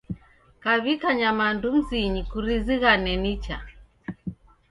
Kaw'ika nyamandu mzinyi kurizighane nicha.